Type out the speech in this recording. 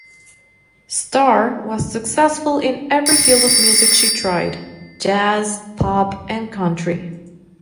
Starr was successful in every field of music she tried: jazz, pop and country.